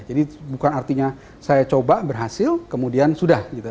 jadi bukan artinya saya coba berhasil kemudian sudah